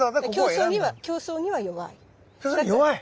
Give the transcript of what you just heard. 競争に弱い？